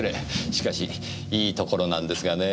しかしいいところなんですがねぇ。